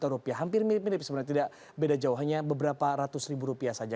rp hampir mirip mirip sebenarnya tidak beda jauh hanya beberapa ratus ribu rupiah saja